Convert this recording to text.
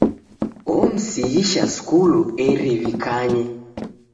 Omsighisha skulu eri w'ikanye.